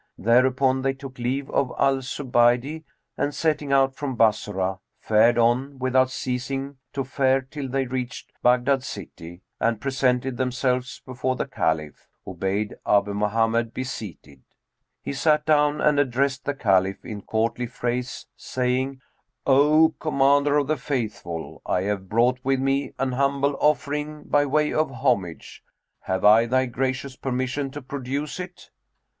Thereupon they took leave of Al Zubaydi and, setting out from Bassorah, fared on, without ceasing to fare till they reached Baghdad city and presented themselves before the Caliph, who bade Abu Mohammed be seated. He sat down and addressed the Caliph in courtly phrase, saying, "O Commander of the Faithful, I have brought with me an humble offering by way of homage: have I thy gracious permission to produce it?"